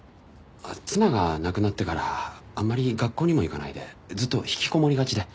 妻が亡くなってからあんまり学校にも行かないでずっと引きこもりがちで。